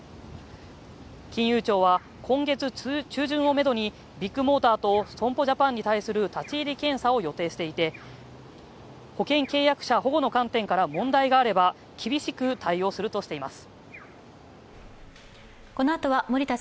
金融庁は今月中旬をめどにビッグモーターと損保ジャパンに対する立ち入り検査を予定していて保険契約者保護の観点から問題があれば厳しく対応するとしています。